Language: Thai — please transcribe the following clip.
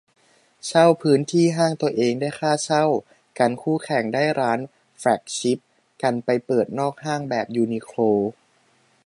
เช่าพื้นที่ห้างตัวเอง ได้ค่าเช่า กันคู่แข่งได้ร้านแฟลกชิป กันไปเปิดนอกห้างแบบยูนิโคล